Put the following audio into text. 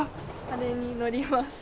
あれに乗ります。